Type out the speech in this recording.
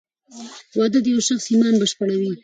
واده د یو شخص ایمان بشپړوې.